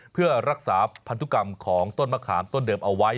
เพื่อรักษาพันธุกรรมของต้นมะขามต้นเดิมเอาไว้